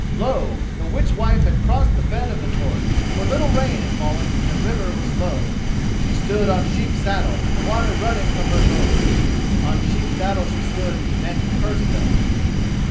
Lo! the witch wife had crossed the bed of the torrent, for little rain had fallen and the river was low. She stood on Sheep saddle, the water running from her robes. On Sheep saddle she stood and cursed them.